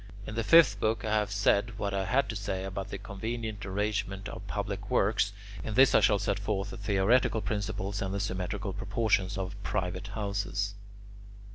In the fifth book I have said what I had to say about the convenient arrangement of public works; in this I shall set forth the theoretical principles and the symmetrical proportions of private houses.